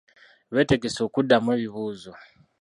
Beetegese okuddamu ebibuuzo.